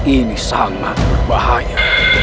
ini sangat berbahaya